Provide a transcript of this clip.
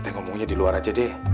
kita ngomongnya diluar aja deh